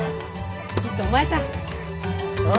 ちっとお前さん。